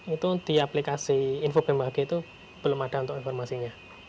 untuk aplikasi info bmkg itu belum ada untuk informasinya